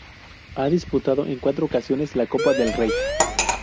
Ha disputado en cuatro ocasiones la Copa del Rey.